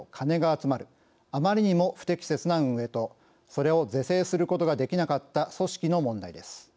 あまりにも不適切な運営とそれを是正することができなかった組織の問題です。